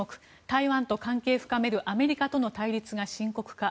台湾と関係深めるアメリカとの対立が深刻化。